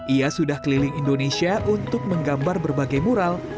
ia sudah keliling indonesia untuk menggambar berbagai mural